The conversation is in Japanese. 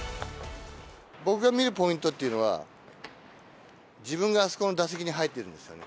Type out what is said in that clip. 僕が見るポイントっていうのは、自分があそこの打席に入ってるんですよね。